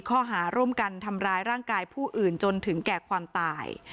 ข้อหาร่วมกันทำร้ายร่างกายผู้อื่นจนถึงแก่ความตาย